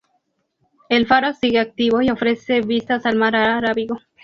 El faro sigue activo y ofrece vistas al mar Arábigo.